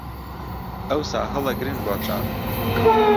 ئەوسا هەڵ ئەگرن گۆچان